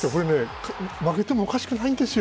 負けてもおかしくないんですよ。